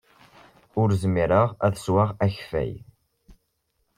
Ur zmireɣ ad sweɣ akeffay.